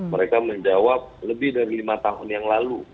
mereka menjawab lebih dari lima tahun yang lalu